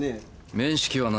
面識はない。